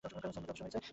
Simon, যথেষ্ট হয়েছে!